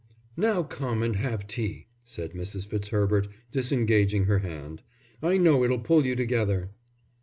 "Now come and have tea," said Mrs. Fitzherbert, disengaging her hand. "I know it'll pull you together."